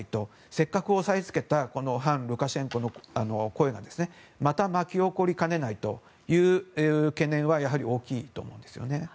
せっかく押さえつけた反ルカシェンコの声がまた巻き起こりかねないという懸念はやはり大きいと思うんですよね。